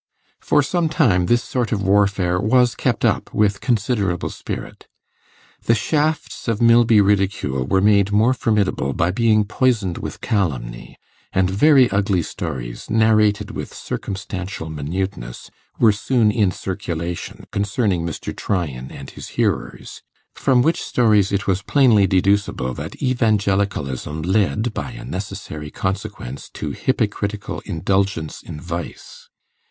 For some time this sort of warfare was kept up with considerable spirit. The shafts of Milby ridicule were made more formidable by being poisoned with calumny; and very ugly stories, narrated with circumstantial minuteness, were soon in circulation concerning Mr. Tryan and his hearers, from which stories it was plainly deducible that Evangelicalism led by a necessary consequence to hypocritical indulgence in vice.